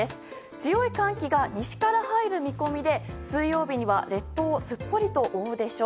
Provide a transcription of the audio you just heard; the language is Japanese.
強い寒気が西から入る見込みで水曜日には列島をすっぽりと覆うでしょう。